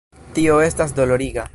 Tio estas doloriga.